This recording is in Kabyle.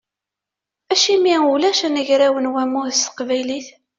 Acimi ulac anagraw n wammud s teqbaylit?